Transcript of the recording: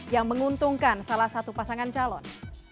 yang menguntungkan salah satu pasangan calon